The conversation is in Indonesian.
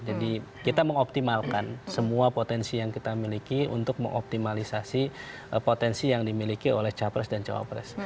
kita mengoptimalkan semua potensi yang kita miliki untuk mengoptimalisasi potensi yang dimiliki oleh capres dan cawapres